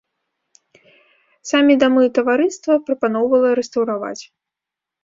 Самі дамы таварыства прапаноўвала рэстаўраваць.